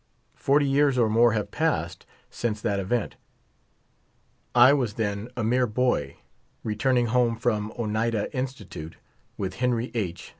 Forty years or more have passed since that event, I was then a mere boy, returning home from Oneida Institute with Henry H.